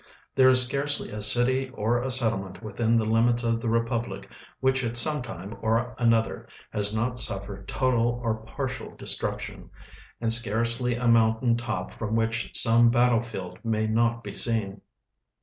There is scarcely a city or a settlement within the limits of the rei)uhlic which at some time or another has not suffered total or i)artial destruction, and scarcely a mountafti to]) from which some ])attlefield may not l3e seen.